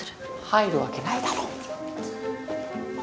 入るわけないだろ。